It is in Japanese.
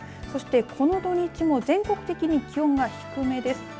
そして、この土日も全国的に気温が低めです。